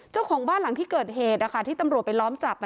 เจ้าของบ้านหลังที่เกิดเหตุที่ตำรวจไปล้อมจับ